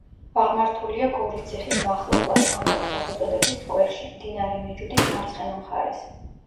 აღმართულია გორის ციხის მახლობლად, ამავე სახელწოდების სკვერში, მდინარე მეჯუდის მარცხენა მხარეს.